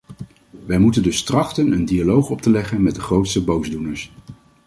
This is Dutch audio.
Wij moeten dus trachten een dialoog op te leggen met de grootste boosdoeners.